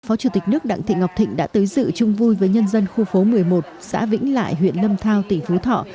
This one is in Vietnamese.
phó chủ tịch nước đặng thị ngọc thịnh đã tới dự chung vui với nhân dân khu phố một mươi một xã vĩnh lại huyện lâm thao tỉnh phú thọ